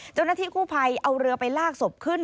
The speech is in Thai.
เจ้าหน้าที่กู้ภัยเอาเรือไปลากศพขึ้น